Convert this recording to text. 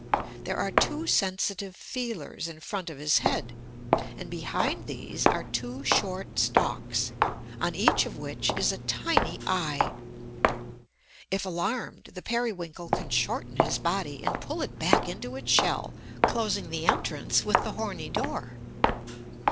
There are two sensitive feelers in front of his head; and behind these are two short stalks, on each of which is a tiny eye. If alarmed, the Periwinkle can shorten his body, and pull it back into its shell, closing the entrance with the horny door.